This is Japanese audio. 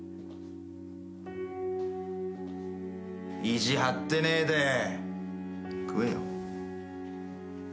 ・意地張ってねえで食えよ。